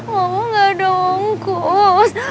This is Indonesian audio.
mama nggak ada angkut